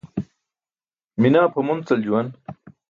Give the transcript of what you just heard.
Minaa pʰamoncal juwan.